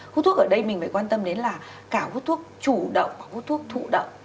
hút thuốc ở đây mình phải quan tâm đến là cả hút thuốc chủ động và hút thuốc thụ động